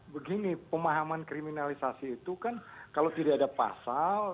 begini pemahaman kriminalisasi itu kan kalau tidak ada pasal